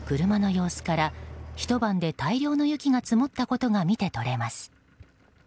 車の様子から、ひと晩で大量の雪が積もったことが見て取れます。